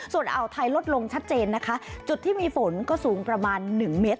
ส่วนอ่าวไทยลดลงชัดเจนนะคะจุดที่มีฝนก็สูงประมาณหนึ่งเมตร